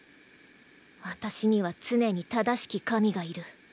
私には常に正しき神がいる。